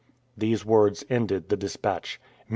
These words ended the dispatch.